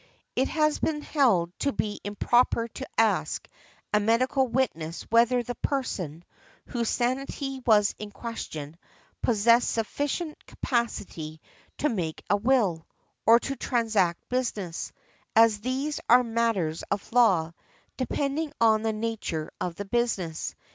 It has been held to be improper to ask a medical witness whether the person, whose sanity was in question, possessed sufficient capacity to make a will, or to transact business, as these are matters of law, depending on the nature of the business .